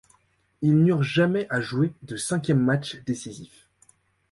Ils n'eurent jamais à jouer de cinquième match décisif.